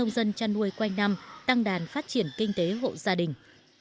nông dân chăn nuôi quanh năm tăng đàn phát triển kinh tế hộ gia đình